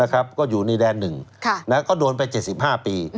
ก็อยู่ในแดนหนึ่งแล้วก็โดนไป๗๕ปี